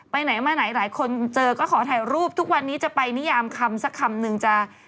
ไปไหนมาไหนหลายคนเจอก็ขอถ่ายรูปทุกวันนี้จะไปนิยามคำสักคำนึงจะ